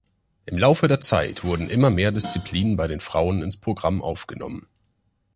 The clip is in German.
Im Laufe der Zeit wurden immer mehr Disziplinen bei den Frauen ins Programm aufgenommen.